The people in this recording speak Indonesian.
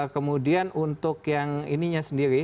kemudian untuk yang ininya sendiri